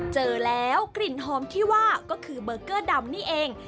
เจอแล้วกลิ่นหอมที่ว่าก็คือเบอร์เกอร์ดำนี่เอง